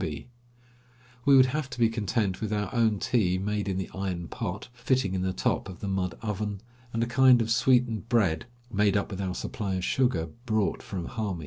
We would have to be content with our own tea made in the iron pot, fitting in the top of the mud oven, and a kind of sweetened bread made up with our supply of sugar brought from Hami.